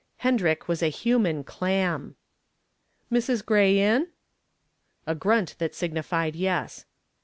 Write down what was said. Hendrick was a human clam. "Mrs. Gray in?" A grunt that signified yes.